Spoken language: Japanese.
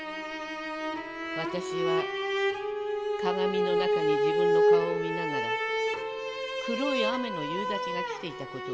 私は鏡の中に自分の顔を見ながら黒い雨の夕立が来ていたことを思い出した。